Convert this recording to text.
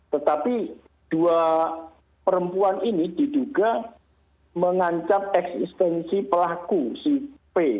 tetapi dua perempuan ini diduga mengancam eksistensi pelaku si p